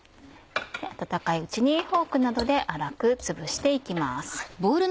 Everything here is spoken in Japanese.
温かいうちにフォークなどで粗くつぶして行きます。